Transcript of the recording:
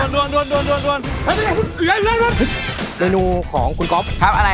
เรนูของคุณก๊อบ